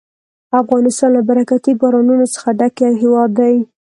افغانستان له برکتي بارانونو څخه ډک یو هېواد دی.